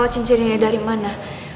bawa cincin ini dari mana